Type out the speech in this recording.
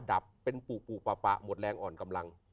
ดับเป็นปูปูปะหมดแรงอ่อนกำลัง